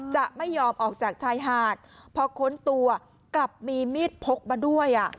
จะไม่ยอมออกจากชายหาดพอค้นตัวกลับมีมีดพกมาด้วย